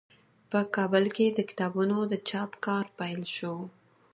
په کابل کې د کتابونو د چاپ کار پیل شو.